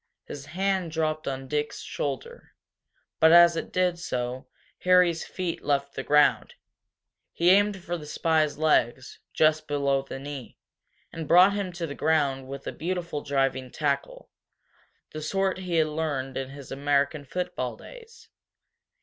His hand dropped on Dick's shoulder. But as it did so Harry's feet left the ground. He aimed for the spy's legs, just below the knee, and brought him to the ground with a beautiful diving tackle the sort he had learned in his American football days.